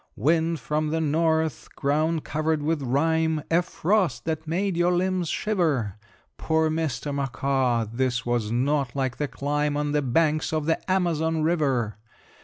Wind from the north, ground covered with rime, A frost that made your limbs shiver; Poor Mr. Macaw! this was not like the clime On the banks of the Amazon River.